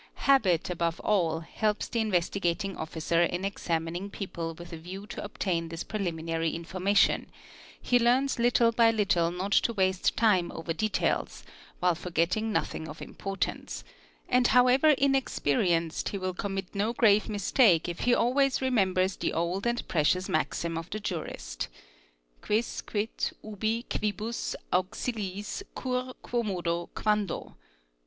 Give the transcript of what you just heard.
Habit above all ' helps the Investigating Officer in examining people with a view to obtain ; 2 is preliminary information ; he learns little by little not to waste time over details, while forgetting nothing of importance; and however in ya xperienced he will commit no grave mistake if he always remembers th e old and precious maxim of the jurist. Quis, quid, ubi, quibus, auxiliis, cur, quomodo, quando